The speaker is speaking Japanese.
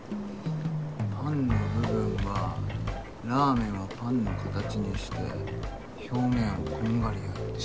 パンの部分はラーメンをパンの形にして表面をこんがり焼いて。